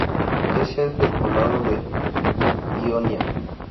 Es sede del condado de Ionia.